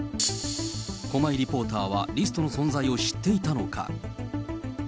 駒井リポーターはリストの存在を知っていたのか。